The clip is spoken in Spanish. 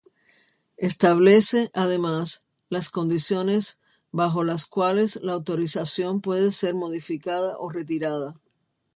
Establece, además, las condiciones bajo las cuales la autorización puede ser modificada o retirada.